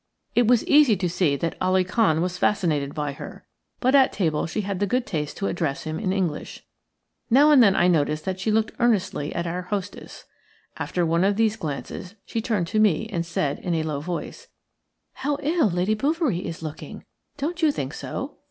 It was easy to see that Ali Khan was fascinated by her; but at table she had the good taste to address him in English. Now and then I noticed that she looked earnestly at our hostess. After one of these glances she turned to me and said, in a low voice:– "How ill Lady Bouverie is looking! Don't you think so?"